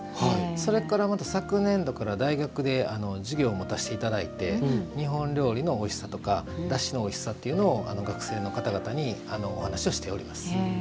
それから、また昨年度から大学で授業を持たせていただいて日本料理のおいしさとかだしのおいしさというのを学生の方々にお話をしております。